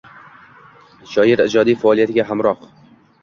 Shoir ijodiy faoliyatiga hamroh.